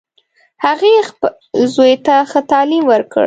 هغې خپل زوی ته ښه تعلیم ورکړ